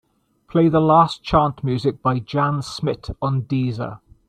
Play the last chant music by Jan Smit on Deezer.